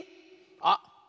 あっ